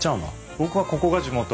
僕はここが地元。